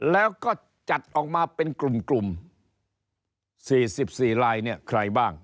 แล้วก็จัดออกมาเป็นกลุ่มกลุ่มสี่สิบสี่รายเนี่ยใครบ้าง